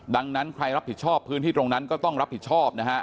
ดังนั้นใครรับผิดชอบพื้นที่ตรงนั้นก็ต้องรับผิดชอบนะฮะ